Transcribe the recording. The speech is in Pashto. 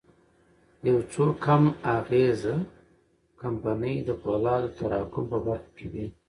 يو څو کم اغېزه کمپنۍ د پولادو د تراکم په برخه کې وې.